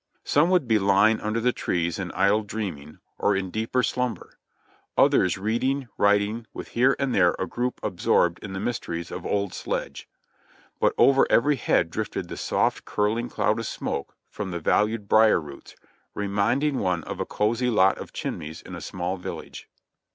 Some would be lying under the trees in idle dreaming or in deeper slumber ; others reading, writing, with here and there a group absorbed in the mysteries of Old Sledge. But over every head drifted the soft, curling cloud of smoke from the valued briar roots, reminding one of a cosy lot of chimneys in a small village.